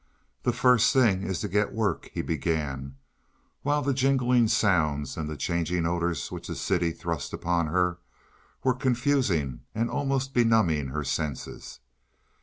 "The first thing is to get work," he began, while the jingling sounds and the changing odors which the city thrust upon her were confusing and almost benumbing her senses.